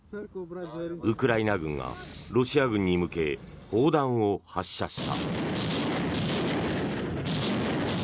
ウクライナ軍がロシア軍に向け砲弾を発射した。